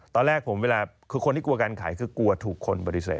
ตอนแรกผมเวลาคือคนที่กลัวการขายคือกลัวถูกคนปฏิเสธ